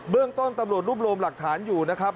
เรื่องต้นตำรวจรวบรวมหลักฐานอยู่นะครับ